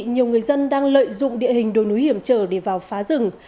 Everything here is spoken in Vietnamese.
nhiều người dân đang lợi dụng địa hình đồi núi hiểm trở để vào phá rừng